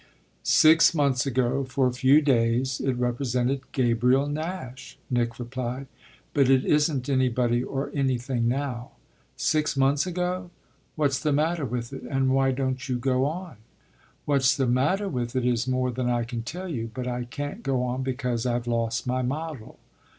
"Six months ago, for a few days, it represented Gabriel Nash," Nick replied. "But it isn't anybody or anything now." "Six months ago? What's the matter with it and why don't you go on?" "What's the matter with it is more than I can tell you. But I can't go on because I've lost my model."